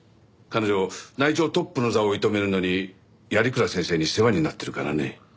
彼女内調トップの座を射止めるのに鑓鞍先生に世話になってるからね。